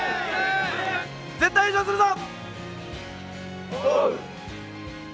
絶対優勝するぞ。